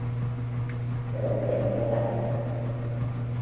Reemprendió la guerra.